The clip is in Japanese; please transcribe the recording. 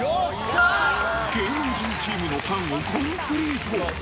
芸能人チームのパンをコンプリート。